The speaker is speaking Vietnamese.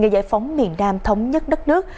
bóng miền nam thống nhất đất nước